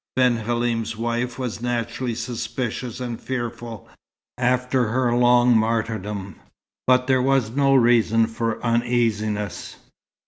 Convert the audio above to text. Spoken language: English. Ben Halim's wife was naturally suspicious and fearful, after her long martyrdom, but there was no new reason for uneasiness.